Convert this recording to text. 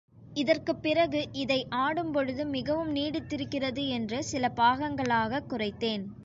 இதற்குப் பிறகு இதை ஆடும்பொழுது மிகவும் நீடித்திருக்கிறது என்று சில பாகங்களாகக் குறைத்தேன்.